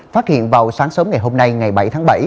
phát hiện vào sáng sớm ngày hôm nay ngày bảy tháng bảy